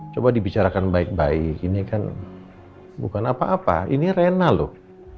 coba dibicarakan baik baik ini kan bukan apa apa ini rena loh